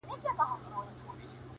د شپې له تورې پنجابيه سره دال وهي’